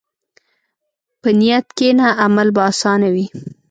په نیت کښېنه، عمل به اسانه وي.